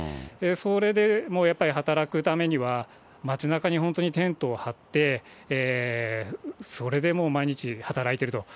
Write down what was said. それでもやっぱり働くためには街なかに本当にテントを張って、それでもう毎日働いていると。